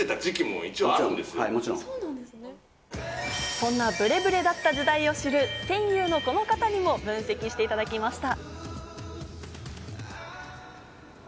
そんなブレブレだった時代を知る戦友のこの方にも分析していただきました。